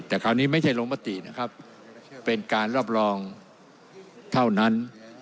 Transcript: แต่คราวนี้ไม่ใช่ลงมตินะครับเป็นการรับรองเท่านั้น